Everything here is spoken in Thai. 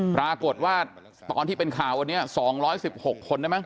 ปรากฏว่าตอนที่เป็นข่าววันนี้๒๑๖คนได้มั